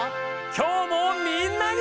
今日もみんなに。